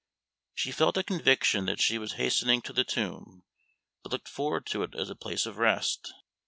She felt a conviction that she was hastening to the tomb, but looked forward to it as a place of rest.